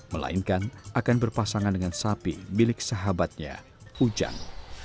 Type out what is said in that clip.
melainkan akan berpasangan dengan sapi milik sahabatnya ujang